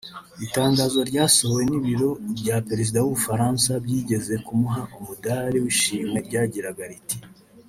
Itangazo ryasohowe n’Ibiro bya Perezida w’u Bufaransa byigeze kumuha umudali w’ishimwe ryagiraga riti